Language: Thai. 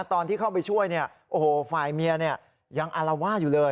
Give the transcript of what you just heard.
ตอนที่เข้าไปช่วยเนี่ยฝ่ายเมียเนี่ยยังอลาว่าอยู่เลย